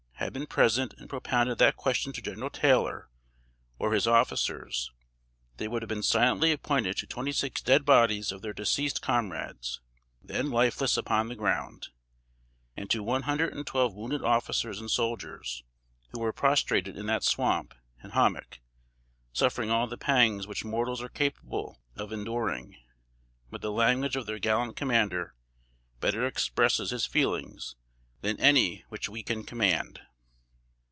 had been present and propounded that question to General Taylor or his officers, they would have been silently pointed to twenty six dead bodies of their deceased comrades, then lifeless upon the ground, and to one hundred and twelve wounded officers and soldiers, who were prostrated in that swamp and hommock, suffering all the pangs which mortals are capable of enduring; but the language of their gallant commander better expresses his feelings than any which we can command.